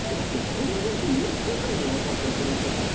このロケ４日間にわたって行ったんすか？